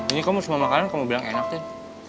ini kamu semua makanan kamu bilang enak deh